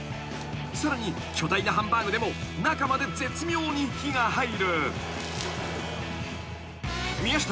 ［さらに巨大なハンバーグでも中まで絶妙に火が入る］